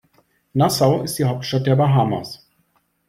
Nassau ist die Hauptstadt der Bahamas.